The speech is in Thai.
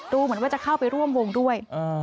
ดูเหมือนว่าจะเข้าไปร่วมวงด้วย